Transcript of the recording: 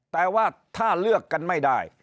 แต่ว่าถ้าเลือกกันไม่ได้